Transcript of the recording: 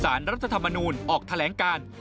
รัฐธรรมนูลออกแถลงการ